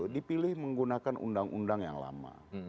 dipilih menggunakan undang undang yang lama